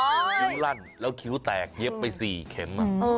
คิ้วลั่นแล้วคิ้วแตกเย็บไป๔เข็ม